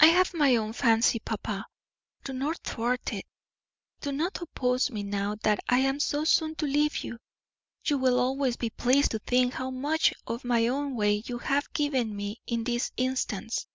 "I have my own fancy, papa; do not thwart it, do not oppose me now that I am so soon to leave you. You will always be pleased to think how much of my own way you have given me in this instance."